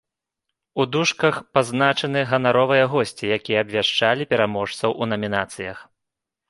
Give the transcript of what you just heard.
У дужках пазначаны ганаровыя госці, якія абвяшчалі пераможцаў у намінацыях.